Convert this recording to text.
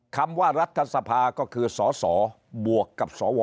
คำว่ารัฐสภาก็คือสสบวกกับสว